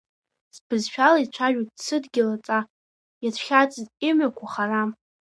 Сбызшәала ицәажәоит сыдгьыл аҵа, иацәхьаҵыз имҩақәа харам.